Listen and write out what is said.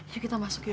yuk kita masuk ibu